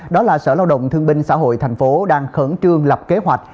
đó là sở lao động thương binh xã hội tp hcm đang khẩn trương lập kế hoạch